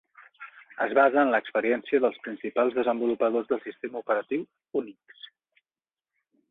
Es basa en l'experiència dels principals desenvolupadors del sistema operatiu Unix.